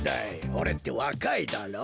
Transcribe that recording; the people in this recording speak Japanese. おれってわかいだろ？